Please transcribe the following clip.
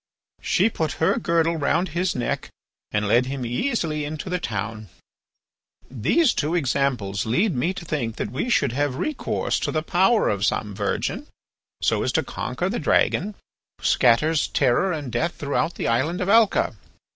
She put her girdle round his neck and led him easily into the town. "These two examples lead me to think that we should have recourse to the power of some virgin so as to conquer the dragon who scatters terror and death through the island of Alca.